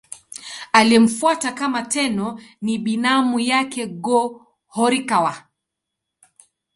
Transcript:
Aliyemfuata kama Tenno ni binamu yake Go-Horikawa.